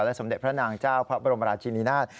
สมเด็จพระนางเจ้าพระบรมราชินินาศ